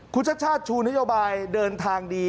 คุณชาติชาติชูนโยบายเดินทางดี